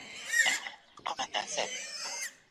لاسي کار د ټولني د پرمختګ لپاره مهم دی.